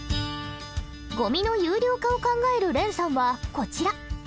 ゴミの有料化を考えるれんさんはこちら。